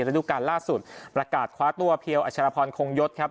ระดูการล่าสุดประกาศคว้าตัวเพียวอัชรพรคงยศครับ